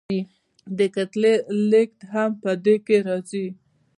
د کتلې لیږد هم په دې کې راځي.